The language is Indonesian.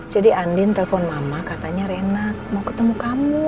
jadi andin telepon mama katanya rena mau ketemu kamu